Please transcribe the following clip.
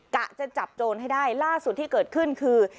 กะจะจับโจรให้ได้ล่าสุดที่เกิดขึ้นคือ